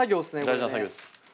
大事な作業です。